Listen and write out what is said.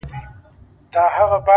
خدايه ښامار د لمر رڼا باندې راوښويدی;